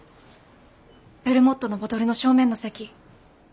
ベルモットのボトルの正面の席。